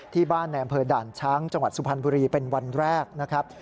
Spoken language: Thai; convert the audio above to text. ที่บ้านในอำเภอด่านช้างจังหวัดสุพรรณบุรีเป็นวันแรกนะครับ